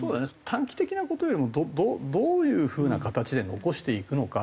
短期的な事よりもどういう風な形で残していくのかって。